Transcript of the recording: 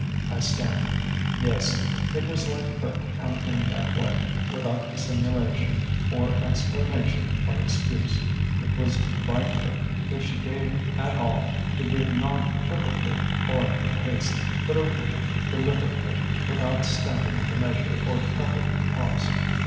I stammered. "Yes; it was like her to come in that way without dissimulation or explanation or excuse. It was like her, if she gave at all, to give not furtively or in haste, but openly, deliberately, without stinting the measure or counting the cost.